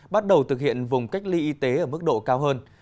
bắt đầu thực hiện vùng cách ly y tế ở mức độ cao hơn